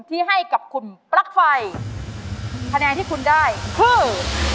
ที่ให้กับคุณปลั๊กไฟคะแนนที่คุณได้คือ